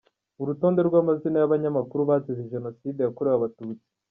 Urutonde rw’amazina y’abanyamakuru bazize Jenoside yakorewe abatutsi.